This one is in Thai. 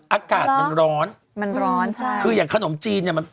อากาศมันร้อนมันร้อนใช่คืออย่างขนมจีนเนี้ยมัน